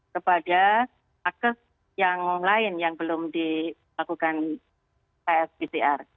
kepada nakes yang lain yang belum dilakukan pspcr